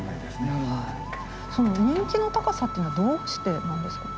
その人気の高さっていうのはどうしてなんですか。